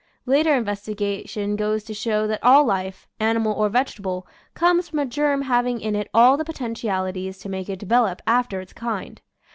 Later investiga tion goes to show that all life, animal or veg etable, comes from a germ having in it all the potentialities to make it develop after its kind.